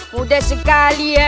mudah sekali ya